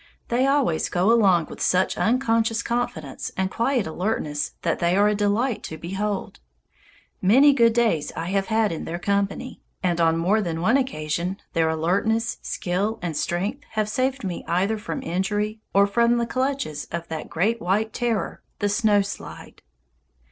They always go along with such unconscious confidence and quiet alertness that they are a delight to behold. Many good days I have had in their company, and on more than one occasion their alertness, skill, and strength have saved me either from injury or from the clutches of that great white terror the snow slide.